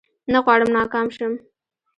نه غواړم ناکام شم